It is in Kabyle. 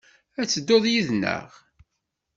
Ad tedduḍ yid-neɣ?